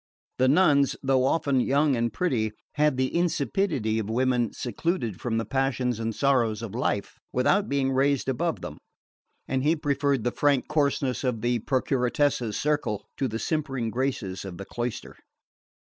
The nuns, though often young and pretty, had the insipidity of women secluded from the passions and sorrows of life without being raised above them; and he preferred the frank coarseness of the Procuratessa's circle to the simpering graces of the cloister.